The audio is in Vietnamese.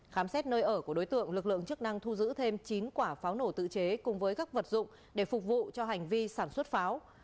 khám xét nơi ở của đối tượng lực lượng chức năng thu giữ thêm chín quả pháo nổ tự chế cùng với các vật dụng để phục vụ cho hành vi sản xuất pháo